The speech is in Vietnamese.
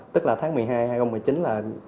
tức là tháng một mươi hai năm hai nghìn một mươi chín